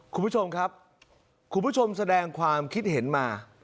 คุณผู้ชมครับคุณผู้ชมแสดงความคิดเห็นมา